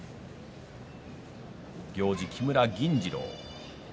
行司は木村銀治郎。